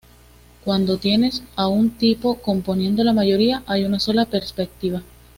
Cuando tienes a un tipo componiendo la mayoría hay una sola perspectiva.